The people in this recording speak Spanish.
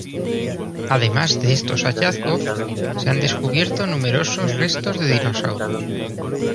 Además de estos hallazgos, se han descubierto numerosos restos de dinosaurios.